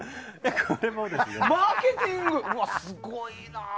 マーケティングすごいな。